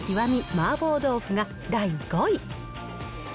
麻婆豆腐が第５位。